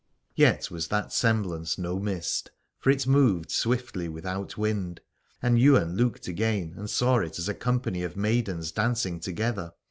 Yet was that semblance no mist, for it moved swiftly without wind : and Ywain looked again and saw it as a company of maidens dancing together.